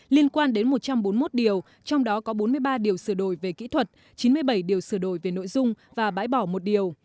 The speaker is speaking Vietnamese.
liên quan đến một trăm bốn mươi một điều trong đó có bốn mươi ba điều sửa đổi về kỹ thuật chín mươi bảy điều sửa đổi về nội dung và bãi bỏ một điều